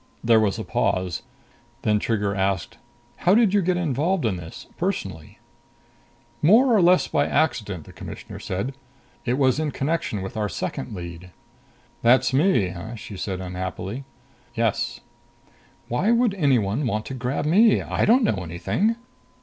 There was a pause. Then Trigger asked, "How did you get involved in this, personally?" "More or less by accident," the Commissioner said. "It was in connection with our second lead." "That's me, huh?" she said unhappily. "Yes." "Why would anyone want to grab me? I don't know anything."